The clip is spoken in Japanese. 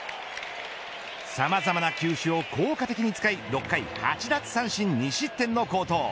さまざまな球種を効果的に使い６回８奪三振２失点の好投。